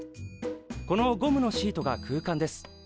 このゴムのシートが空間です。